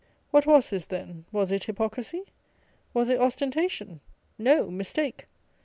What was this, then? Was it hypocrisy; was it ostentation? No: mistake.